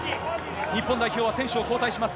日本代表は選手を交代します。